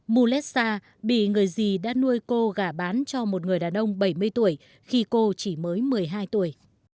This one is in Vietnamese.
muletsa bị người gì đã nuôi cô gả bán cho một người đàn ông bảy mươi tuổi khi cô chỉ mới một mươi hai tuổi